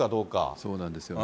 そうなんですよね。